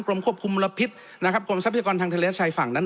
ควบคุมมลพิษนะครับกรมทรัพยากรทางทะเลชายฝั่งนั้น